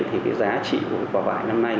thì giá trị của quả vải năm nay